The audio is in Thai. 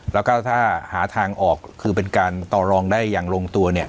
แล้วก็ถ้าหาทางออกคือเป็นการต่อรองได้อย่างลงตัวเนี่ย